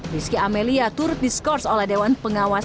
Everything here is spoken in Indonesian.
rizky amelia turut diskors oleh dewan pengawas